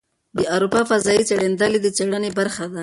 د اروپا فضايي څېړندلې د څېړنې برخه ده.